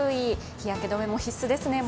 日焼け止めも必須ですね。